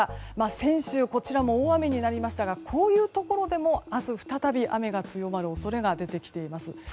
先週、こちらも大雨になりましたがこういうところでも明日、再び雨が強まる恐れが出てきています。